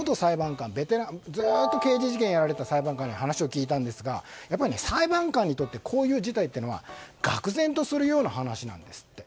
これ、ずっと刑事事件をやられた裁判官に話を聞いたんですが裁判官にとってこういう事態っていうのはがくぜんとするような話なんですって。